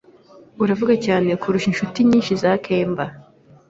Uravuga cyane kurusha inshuti nyinshi za kemba.